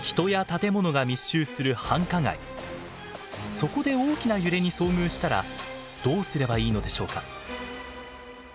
そこで大きな揺れに遭遇したらどうすればいいのでしょうか？